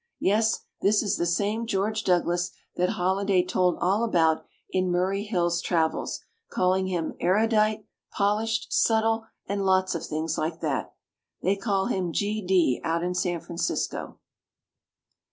Yes, this is the same George Douglas that Holliday told all about in "Murray Hill's Travels" — calling him erudite, polished, subtle, and lots of things like that. They call him "G. D." out in San Francisco.